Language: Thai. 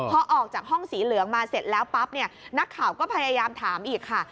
พอออกจากห้องสีเหลืองมาเสร็จแล้วปั๊บเนี่ยนักข่าวก็พยายามถามอีกค่ะ